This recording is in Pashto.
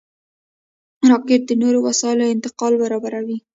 راکټ د نورو وسایلو انتقال برابروي